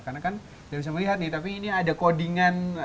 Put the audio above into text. karena kan kita bisa melihat nih tapi ini ada codingan